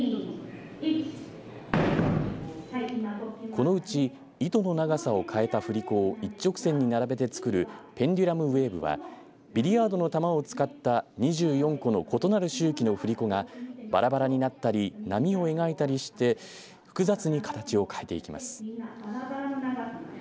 このうち糸の長さを変えた振り子を一直線に並べて作るペンデュラムウェーブはビリヤードの玉を使った２４個の異なる周期の振り子がばらばらになったり波を描いたりして複雑に形を変えていきます。